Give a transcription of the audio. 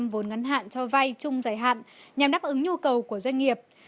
vốn ngắn hạn cho vay chung giải hạn nhằm đáp ứng nhu cầu của doanh nghiệp